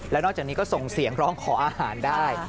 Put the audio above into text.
แล้วนอกจากนี้ก็ส่งเสียงร้องขออาหารได้